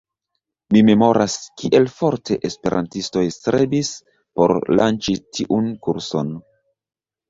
Mi memoras, kiel forte esperantistoj strebis por lanĉi tiun kurson.